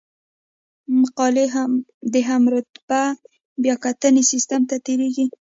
مقالې د هم رتبه بیاکتنې سیستم نه تیریږي.